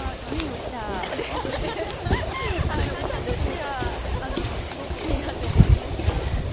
歌としてはすごくいいなって思いました。